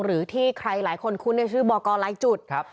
หรือที่ใครหลายคนคุ้นในชื่อบอกกรหลายจุด